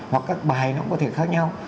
hoặc các bài nó cũng có thể khác nhau